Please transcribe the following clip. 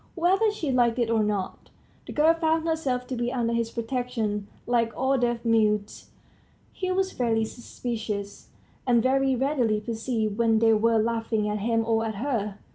Whether she liked it or not, the girl found herself to be under his protection. Like all deaf mutes, he was very suspicious, and very readily perceived when they were laughing at him or at her.